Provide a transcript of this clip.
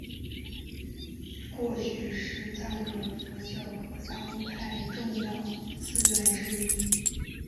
过去是藏传佛教噶当派重要寺院之一。